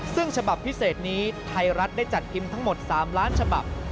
ซึ่งฉบับพิเศษนี้ไทยรัฐได้จัดพิมพ์ทั้งหมด๓ล้านฉบับ